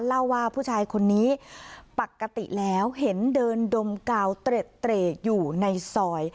เล่าว่าผู้ชายคนนี้ปกติแล้วเห็นเดินดมกาวเตรดอยู่ในซอย